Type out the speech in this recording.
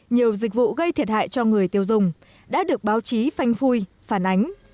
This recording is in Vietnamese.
nhiều dịch vụ gây thiệt hại cho người tiêu dùng đã được báo chí phanh phui phản ánh